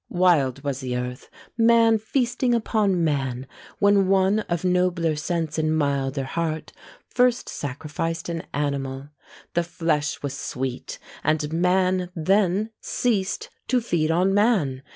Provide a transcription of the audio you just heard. Wild was the earth, man feasting upon man, When one of nobler sense and milder heart First sacrificed an animal; the flesh Was sweet; and man then ceased to feed on man!